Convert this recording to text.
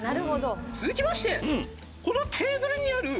続きましてこのテーブルにある。